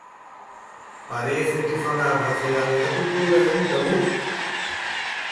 Parece que falar da Cidade da Cultura é un tabú.